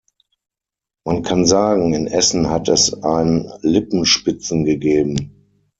Man kann sagen, in Essen hat es ein Lippenspitzen gegeben.